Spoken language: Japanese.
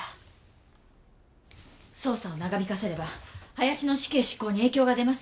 捜査を長引かせれば林の死刑執行に影響が出ます。